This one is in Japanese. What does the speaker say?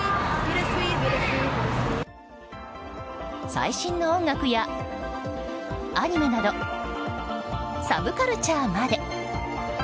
最新の音楽やアニメなどサブカルチャーまで。